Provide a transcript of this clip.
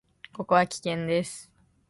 ここは危険です。